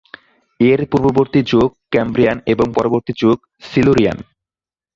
এর পূর্ববর্তী যুগ ক্যাম্ব্রিয়ান এবং পরবর্তী যুগ সিলুরিয়ান।